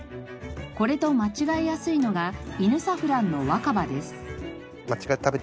これと間違えやすいのがイヌサフランの若葉です。